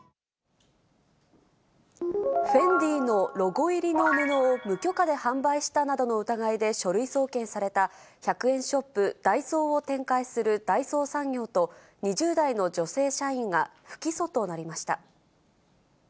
ＦＥＮＤＩのロゴ入りの布を無許可で販売したなどの疑いで書類送検された、１００円ショップ、ＤＡＩＳＯを展開する大創産業と、２０代の女性社員が不起訴となりました。